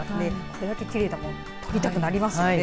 これだけきれいだと撮りたくなりますよね。